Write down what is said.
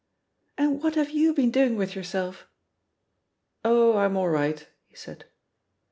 "And what have you been doing with your self?'^ "Oh, I'm all right, he said.